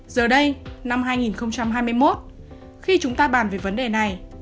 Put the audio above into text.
giờ đây năm hai nghìn hai mươi một khi chúng ta bàn về vấn đề này